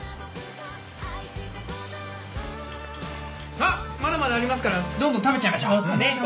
さあまだまだありますからどんどん食べちゃいましょう。だね。